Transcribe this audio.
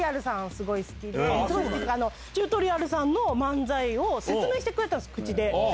すごい好きで、チュートリアルさんの漫才を説明してくれたんです、口で。